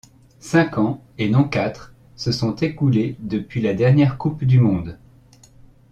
Cinq ans, et non quatre, se sont écoulés depuis la dernière Coupe du Monde.